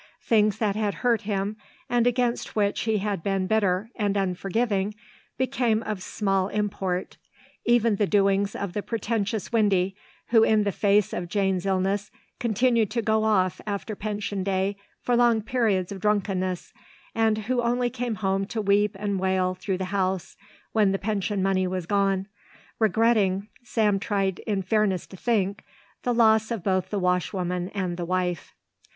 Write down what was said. Things that had hurt him and against which he had been bitter and unforgiving became of small import, even the doings of the pretentious Windy, who in the face of Jane's illness continued to go off after pension day for long periods of drunkenness, and who only came home to weep and wail through the house, when the pension money was gone, regretting, Sam tried in fairness to think, the loss of both the washwoman and the wife.